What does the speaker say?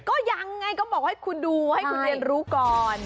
ก็ยังไงก็บอกให้คุณดูให้คุณเรียนรู้ก่อน